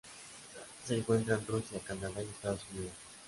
Se encuentra en Rusia, Canadá y Estados Unidos.